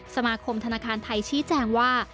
สมาคมธนาคารไทยชี้แจงว่า